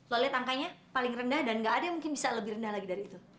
lo liat angkanya paling rendah dan nggak ada yang bisa lebih rendah lagi dari itu